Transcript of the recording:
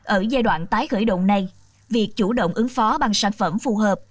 ở giai đoạn tái khởi động này việc chủ động ứng phó bằng sản phẩm phù hợp